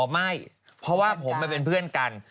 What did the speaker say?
ไม่เพราะว่าผมมันเป็นเพื่อนกัน